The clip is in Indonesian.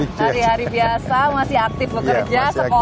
hari hari biasa masih aktif bekerja sekolah